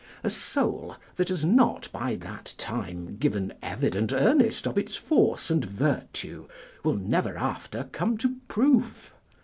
A soul that has not by that time given evident earnest of its force and virtue will never after come to proof.